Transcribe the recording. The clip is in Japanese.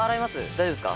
大丈夫ですか？